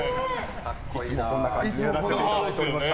いつもこんな感じでやらせていただいております。